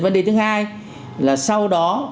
vấn đề thứ hai là sau đó